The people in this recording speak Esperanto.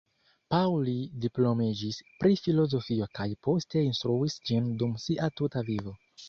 Pauli diplomiĝis pri filozofio kaj poste instruis ĝin dum sia tuta vivo.